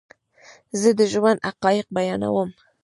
زه دژوند حقایق بیانوم